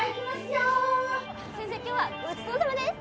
先生今日はごちそうさまです！